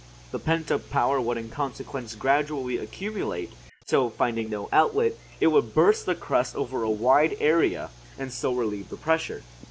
The pent up power would in consequence gradually accumulate, till finding no outlet, it would burst the crust over a wide area, and so relieve the pressure.